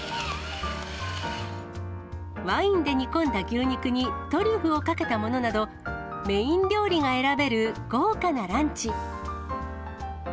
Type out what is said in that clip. ワインで煮込んだ牛肉にトリュフをかけたものなど、メイン料理が選べる豪華なランチ。